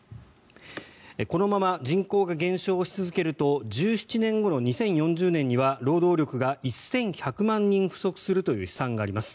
このまま人口が減少し続けると１７年後の２０４０年には労働力が１１００万人不足するという試算があります。